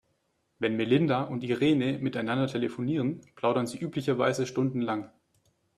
Wenn Melinda und Irene miteinander telefonieren, plaudern sie üblicherweise stundenlang.